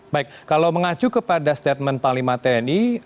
baik kalau mengacu kepada statement panglima tni